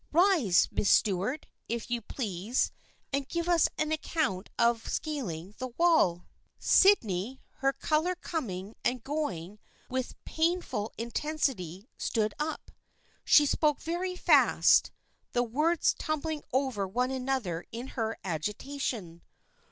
" Rise, Miss Stuart, if you please, and give us an account of scaling the wall." Sydney, her color coming and going with pain ful intensity stood up. She spoke very fast, the words tumbling over one another in her agitation.